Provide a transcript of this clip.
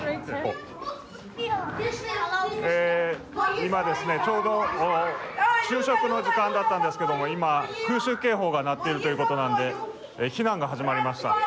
今、ちょうど給食の時間だったんですけれども、今、空襲警報が鳴っているということなんで、避難が始まりました。